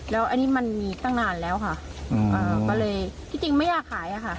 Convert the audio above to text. แล้วอันนี้มันมีตั้งนานแล้วค่ะก็เลยที่จริงไม่อยากขายอะค่ะ